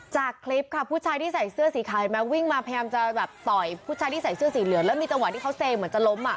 จากคลิปค่ะผู้ชายที่ใส่เสื้อสีขาวเห็นไหมวิ่งมาพยายามจะแบบต่อยผู้ชายที่ใส่เสื้อสีเหลืองแล้วมีจังหวะที่เขาเซเหมือนจะล้มอ่ะ